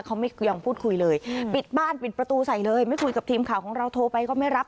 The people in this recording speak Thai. เขาไม่ยอมพูดคุยเลยปิดบ้านปิดประตูใส่เลยไม่คุยกับทีมข่าวของเราโทรไปก็ไม่รับ